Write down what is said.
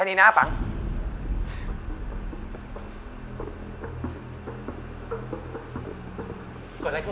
แม้สิ้นลมหายใจก็รักเธอ